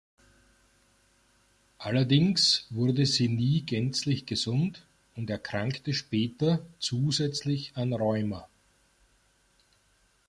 Allerdings wurde sie nie gänzlich gesund und erkrankte später zusätzlich an Rheuma.